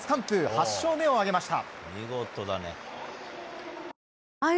８勝目を挙げました。